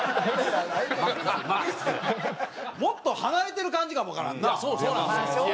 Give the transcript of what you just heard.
もっと離れてる感じかもわからんな。